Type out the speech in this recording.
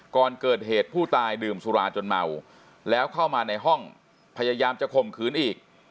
ก่อนเกิดเหตุผู้ตายดื่มสุราจนเมาแล้วเข้ามาในห้องพยายามจะข่มขืนอีก